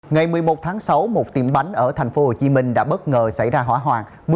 ngày một mươi một tháng sáu một tiệm bánh ở tp hcm đã bất ngờ xảy ra hỏa hoạn